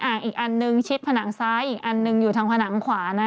อีกอันนึงชิดผนังซ้ายอีกอันหนึ่งอยู่ทางผนังขวานะ